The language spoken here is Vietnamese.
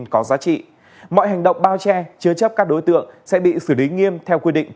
cảm ơn các bạn đã theo dõi